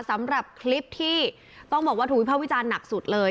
สำหรับคลิปที่ต้องบอกว่าถูกวิภาควิจารณ์หนักสุดเลย